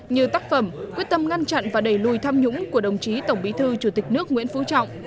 như tác phẩm quyết tâm ngăn chặn và đẩy lùi tham nhũng của đồng chí tổng bí thư chủ tịch nước nguyễn phú trọng